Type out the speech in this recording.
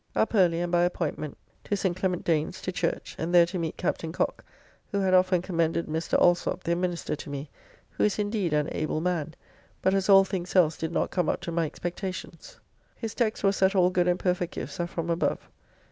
Up early, and by appointment to St. Clement Danes to church, and there to meet Captain Cocke, who had often commended Mr. Alsopp, their minister, to me, who is indeed an able man, but as all things else did not come up to my expectations. His text was that all good and perfect gifts are from above.